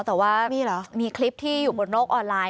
แต่ว่ามีคลิปที่อยู่บนโลกออนไลน